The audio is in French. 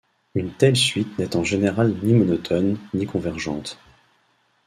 Une telle suite n'est en général ni monotone, ni convergente.